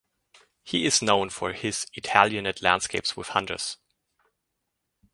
He is known for his Italianate landscapes with hunters.